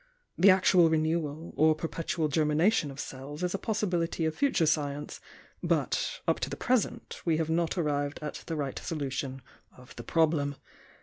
The actual renewal, or per petual germination of cells is a possibility of future science, — but up to the present we have not arrived at the right solution of the problem.